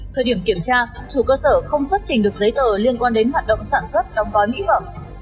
thời điểm kiểm tra chủ cơ sở không xuất trình được giấy tờ liên quan đến hoạt động sản xuất đóng gói mỹ phẩm